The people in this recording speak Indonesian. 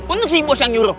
untuk si bos yang nyuruh